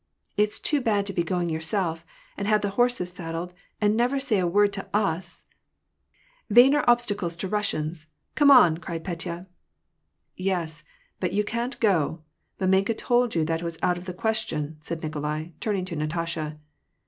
" IVs too bad to be going yourself, and to have the horses saddled, and say never a word to us !""* Vain are obstacles to Russians !' come on !" cried Petya. " Yes, but you can't go ; mamenka told you that it was out of the question," said Nikolai, turning to Natasha.